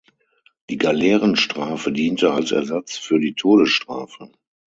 Die Galeerenstrafe diente als Ersatz für die Todesstrafe.